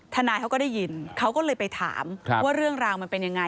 ทนายเขาก็ได้ยินเขาก็เลยไปถามว่าเรื่องราวมันเป็นยังไง